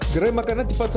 gerai makanan cepat saja